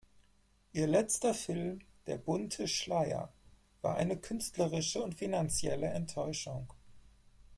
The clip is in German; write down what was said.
Ihr letzter Film "Der bunte Schleier" war eine künstlerische und finanzielle Enttäuschung.